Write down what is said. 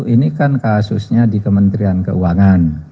ini kan kasusnya di kementerian keuangan